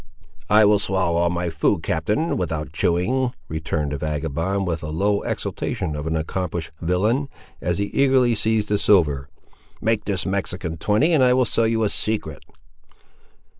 "I swallow all my food, captain, without chewing," returned the vagabond, with the low exultation of an accomplished villain, as he eagerly seized the silver. "Make this Mexican twenty, and I will sell you a secret."